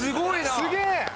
すげえ！